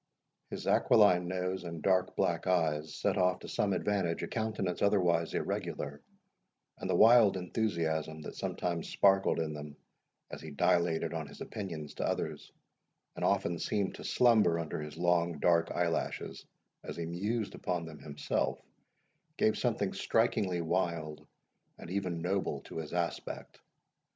His aquiline nose and dark black eyes set off to some advantage a countenance otherwise irregular, and the wild enthusiasm that sometimes sparkled in them as he dilated on his opinions to others, and often seemed to slumber under his long dark eyelashes as he mused upon them himself, gave something strikingly wild, and even noble to his aspect.